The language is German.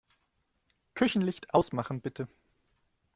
Küchenlicht ausmachen, bitte.